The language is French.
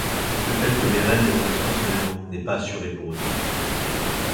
Le fait que Mersenne le connaisse personnellement n'est pas assuré pour autant.